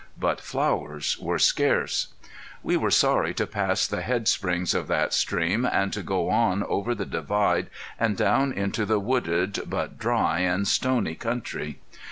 But flowers were scarce. We were sorry to pass the head springs of that stream and to go on over the divide and down into the wooded, but dry and stony country.